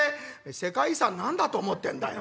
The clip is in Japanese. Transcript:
「世界遺産何だと思ってんだよ」。